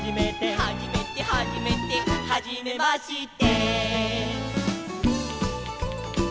「はじめてはじめて」「はじめまして」